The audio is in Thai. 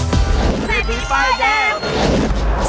เศรษฐีป้ายแดง